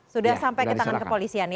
sudah sampai ke tangan kepolisian